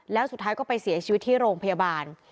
แล้วสุดท้ายก็ไปเสียชีวิตที่โรงพยาบาล